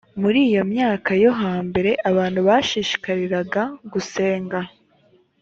muri iyo myaka yo hambere abantu bashishikariraga gusenga